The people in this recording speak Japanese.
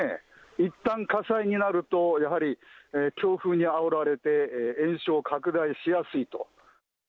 いったん火災になると、やはり、強風にあおられて延焼拡大しやすいと。